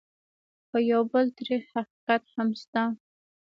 خو یو بل تريخ حقیقت هم شته: